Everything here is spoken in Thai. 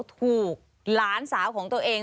ถูกหลานสาวของตัวเอง